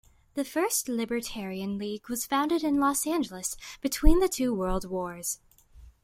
The first Libertarian League was founded in Los Angeles between the two World Wars.